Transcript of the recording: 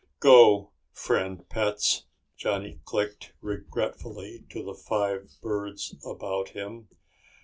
"Go, friend pets," Johnny clicked regretfully to the five birds about him.